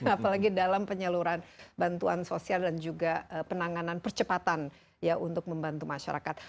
apalagi dalam penyaluran bantuan sosial dan juga penanganan percepatan ya untuk membantu masyarakat